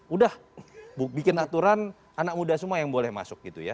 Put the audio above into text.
udah bikin aturan anak muda semua yang boleh masuk gitu ya